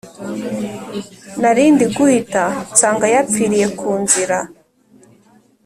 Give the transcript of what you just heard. Narindiguhita nsanga yapfiriye kunzira